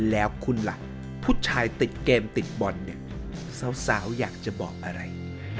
แล้วคุณล่ะผู้ชายติดเกมติดบอลเนี่ยสาวอยากจะบอกอะไร